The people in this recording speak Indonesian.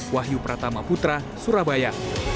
wahyu pratama putra surabaya